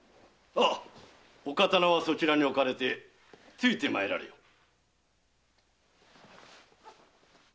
あお刀はそちらに置かれてついて参られよ。